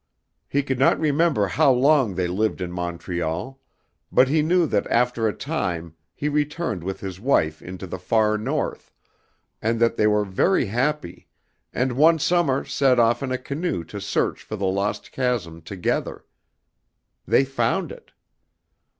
He could not remember how long they lived in Montreal, but he knew that after a time he returned with his wife into the far North, and that they were very happy, and one summer set off in a canoe to search for the lost chasm together. They found it.